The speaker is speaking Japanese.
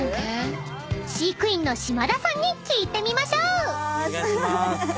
［飼育員の嶋田さんに聞いてみましょう！］